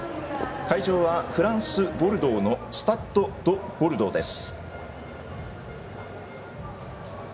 会場はフランス・ボルドーのスタッド・ド・ボルドーです。